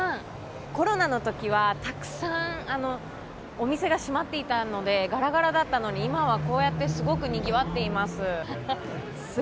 コロナのときは、たくさんお店が閉まっていたのでがらがらだったのに、今はこうやってすごくにぎわっています。